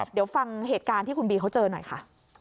เดี๋ยวฟังเหตุการณ์ที่คุณบีเขาเจอหน่อยค่ะ